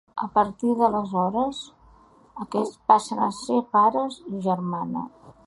A partir d’aleshores aquests passen a ser pares i germana.